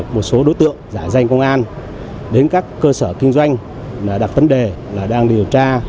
một số đối tượng giải danh công an đến các cơ sở kinh doanh đặt tấn đề là đang điều tra